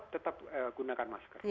tetap gunakan masker